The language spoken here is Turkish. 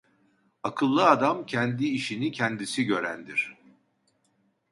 Akıllı adam kendi işini kendisi görendir.